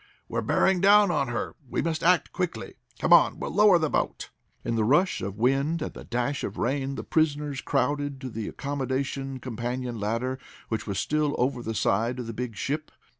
"We're bearing down on her! We must act quickly. Come on, we'll lower the boat!" In the rush of wind and the dash of rain the prisoners crowded to the accommodation companion ladder, which was still over the side of the big ship.